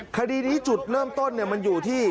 คดีนี้จุดเริ่มต้นมันอยู่ที่